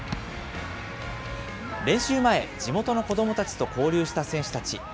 練習前、地元の子どもたちと交流した選手たち。